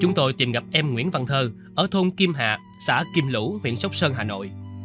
chúng tôi tìm gặp em nguyễn văn thơ ở thôn kim hà xã kim lũ huyện sóc sơn hà nội